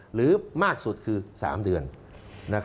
หรือมากสุดคือ๓เดือน